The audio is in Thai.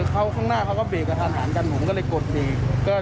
เขาข้างหน้าเขาก็เบรกกระทันหันกันผมก็เลยกดเบรก